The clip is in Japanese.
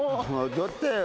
戻ってよ。